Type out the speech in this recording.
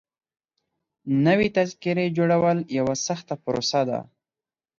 نوي تذکيري جوړول يوه سخته پروسه ده.